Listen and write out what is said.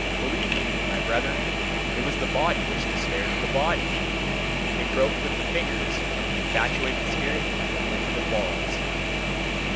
Believe me, my brethren! It was the body which despaired of the body it groped with the fingers of the infatuated spirit at the ultimate walls.